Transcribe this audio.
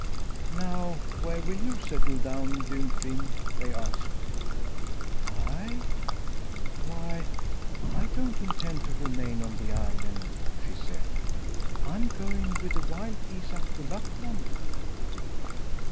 "Now where will you settle down, Dunfin?" they asked. "I? Why I don't intend to remain on the island," she said. "I'm going with the wild geese up to Lapland."